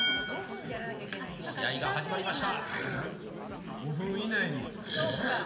試合が始まりました。